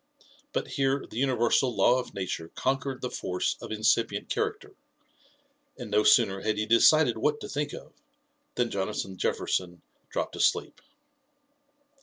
But here the universal law of nature conquered the force of incipient character; and no sooner had he decided what to think of, than Jonathan Jefferson dropped asleep.